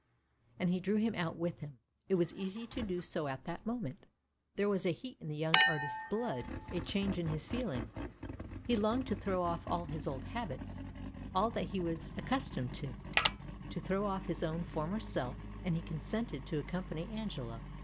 " And he drew him out with him; it was easy to do so at that moment. There was a heat in the young artist's blood, a change in his feelings; he longed to throw off all his old habits, all that he was accustomed to — to throw off his own former self — and he consented to accompany Angelo.